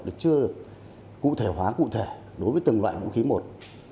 là chưa được cụ thể hóa cụ thể đối với từng loại vũ khí một